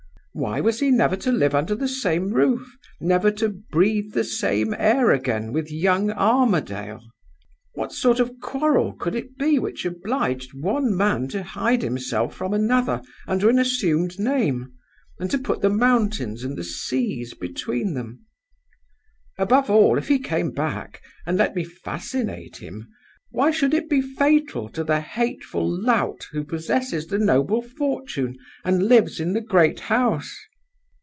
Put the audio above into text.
Why was he never to live under the same roof, never to breathe the same air again, with young Armadale? What sort of quarrel could it be which obliged one man to hide himself from another under an assumed name, and to put the mountains and the seas between them? Above all, if he came back, and let me fascinate him, why should it be fatal to the hateful lout who possesses the noble fortune and lives in the great house?